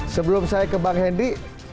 sebelum saya ke bang henry